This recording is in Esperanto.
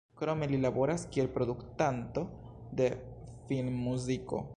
Krome li laboras kiel produktanto de filmmuziko.